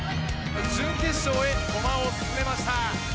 準決勝へ駒を進めました。